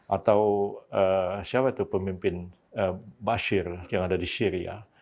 atau siapa itu pemimpin bashir yang ada di syria